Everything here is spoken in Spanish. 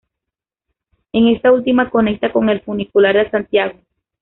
En esta última conecta con el Funicular de Santiago.